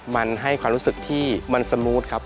มันให้ความรู้สึกที่มันสมูทครับ